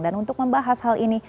dan untuk membahas hal ini